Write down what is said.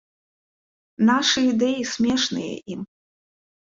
Нашы ідэі смешныя ім.